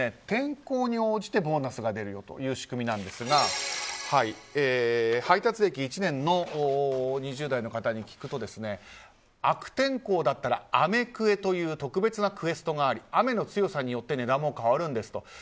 天候に応じてボーナスが出るよという仕組みなんですが配達歴１年の２０代の方に聞くと悪天候だったら雨クエという特別なクエストがあり雨の強さによって値段も変わるんですと。